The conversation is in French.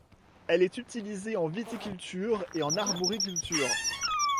Elle est utilisée en viticulture et en arboriculture.